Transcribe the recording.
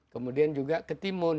kemudian juga ketimun